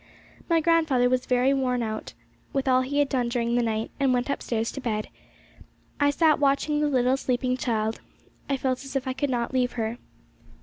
My grandfather was very worn out with all he had done during the night, and went upstairs to bed. I sat watching the little sleeping child. I felt as if I could not leave her.